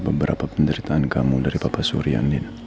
beberapa penderitaan kamu dari papa surya